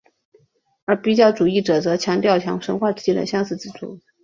而比较主义者则强调神话之间的相似之处。